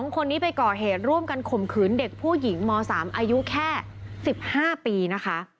๒คนนี้ไปก่อเหตุร่วมกันข่มขืนเด็กผู้หญิงม๓อายุแค่๑๕ปีนะคะ